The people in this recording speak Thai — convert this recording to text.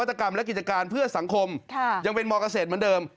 จำได้จำได้จำได้จำได้